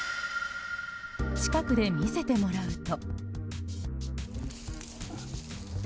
近くで見せてもらうと。